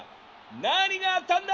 何があったんだ！